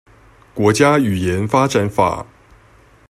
國家語言發展法